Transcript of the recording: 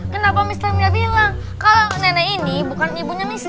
kenapa mister tidak bilang kalau nenek ini bukan ibunya mister